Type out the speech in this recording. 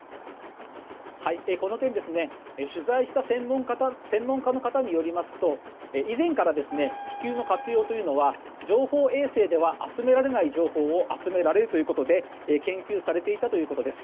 この点、取材した専門家の方によりますと以前から気球の活用というのは情報衛星では集められない情報を集められるということで研究されていたということです。